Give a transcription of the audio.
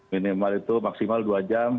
minimal itu maksimal dua jam